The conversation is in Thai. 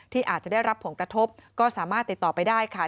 อาจจะได้รับผลกระทบก็สามารถติดต่อไปได้ค่ะ